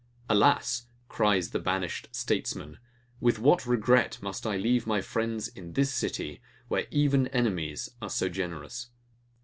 ALAS! cries the banished statesman, WITH WHAT REGRET MUST I LEAVE MY FRIENDS IN THIS CITY, WHERE EVEN ENEMIES ARE SO GENEROUS!